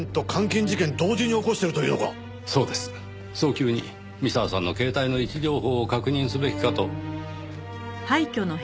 早急に三沢さんの携帯の位置情報を確認すべきかと。